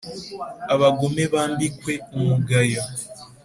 abagome bambikwe umugayo